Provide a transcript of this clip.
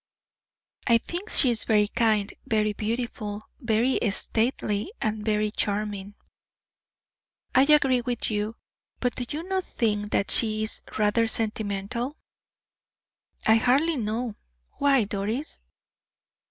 "I think she is very kind, very beautiful, very stately, and very charming." "I agree with you; but do you not think that she is rather sentimental?" "I hardly know. Why, Doris?"